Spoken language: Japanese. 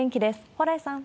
蓬莱さん。